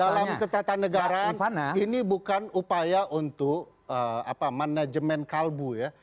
dalam ketatanegaraan ini bukan upaya untuk manajemen kalbu ya